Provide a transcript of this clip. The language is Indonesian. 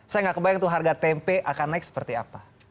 saya nggak kebayang tuh harga tempe akan naik seperti apa